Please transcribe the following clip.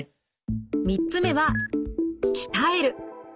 ３つ目は鍛える。